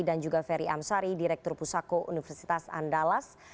dan juga ferry amsari direktur pusako universitas andalas